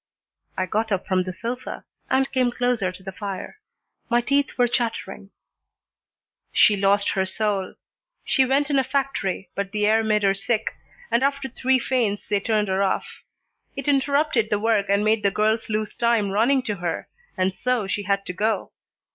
I got up from the sofa and came closer to the fire. My teeth were chattering. "She lost her soul. She went in a factory, but the air made her sick, and after three faints they turned her off. It interrupted the work and made the girls lose time running to her, and so she had to go.